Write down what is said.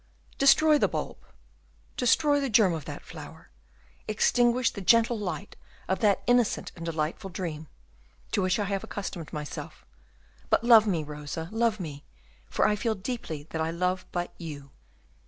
Destroy the bulb, destroy the germ of that flower, extinguish the gentle light of that innocent and delightful dream, to which I have accustomed myself; but love me, Rosa, love me; for I feel deeply that I love but you."